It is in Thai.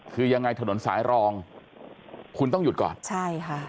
คือยังไงถนนสายรองคุณต้องหยุดก่อนใช่ค่ะ